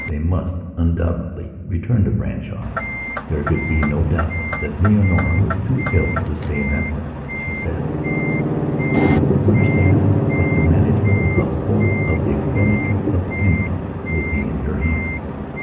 They must, undoubtedly, return to Branshaw; there could be no doubt that Leonora was too ill to stay in that place. She said: "You understand that the management of the whole of the expenditure of the income will be in your hands.